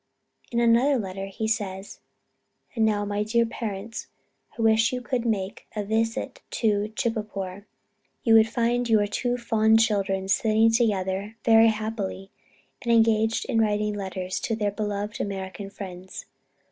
In another letter he says, "And now, my dear parents, I wish you could make a visit at Chitpore. You would find your two fond children sitting together very happily, and engaged in writing letters to their beloved American friends.